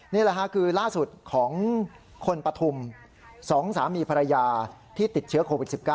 นี่แหละค่ะคือล่าสุดของคนปฐุม๒สามีภรรยาที่ติดเชื้อโควิด๑๙